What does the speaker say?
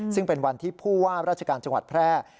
ซึ่งเป็นวันที่ผู้ว่าราชการจังหวัดแพร่